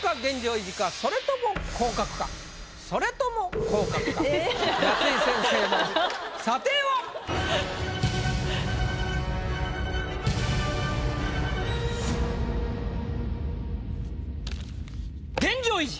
維持か⁉それとも降格か⁉それとも降格か⁉夏井先生の査定は⁉現状維持！